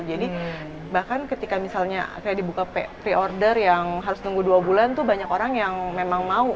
jadi bahkan ketika misalnya saya dibuka pre order yang harus tunggu dua bulan tuh banyak orang yang memang mau